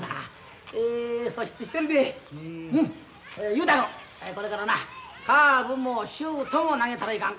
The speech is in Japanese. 雄太君これからなカーブもシュートも投げたらいかん。